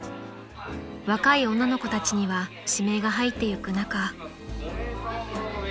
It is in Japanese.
［若い女の子たちには指名が入ってゆく中］